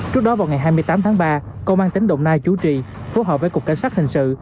trước đó vào ngày hai mươi tám tháng ba công an tỉnh đồng nai chủ trì phối hợp với cục cảnh sát hình sự